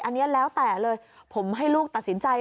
อันนี้แล้วแต่เลยผมให้ลูกตัดสินใจ